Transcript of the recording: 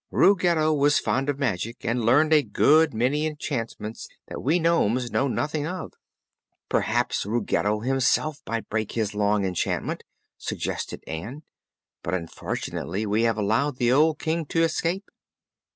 "Ruggedo was fond of magic, and learned a good many enchantments that we nomes know nothing of." "Perhaps Ruggedo himself might break his own enchantment," suggested Ann; "but unfortunately we have allowed the old King to escape."